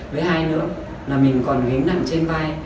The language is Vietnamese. với hai nữa là mình còn hính nặng trên vai